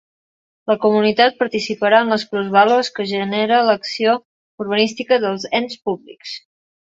La comunitat participarà en les plusvàlues que genere l’acció urbanística dels ens públics.